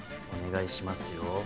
お願いしますよ